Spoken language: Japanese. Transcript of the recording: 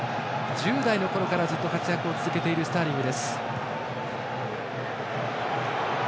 １０代のころからずっと活躍を続けているスターリング。